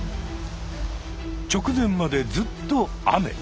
直前までずっと雨。